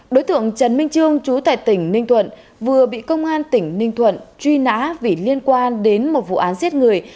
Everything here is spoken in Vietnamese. đối tượng trần minh trương chú tại tỉnh ninh thuận vừa bị công an tỉnh ninh thuận truy nã vì liên quan đến một vụ án giết người